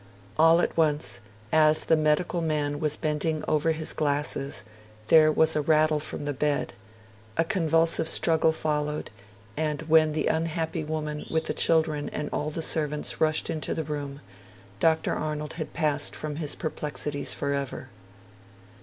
All at once, as the medical man was bending over his glasses, there was a rattle from the bed; a convulsive struggle followed; and, when the unhappy woman, with the children, and all the servants, rushed into the room, Dr. Arnold had passed from his perplexities forever.